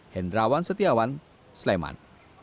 hendrawan setiawan sleman